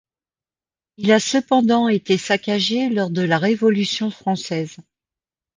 Il a cependant été saccagé lors de la Révolution française.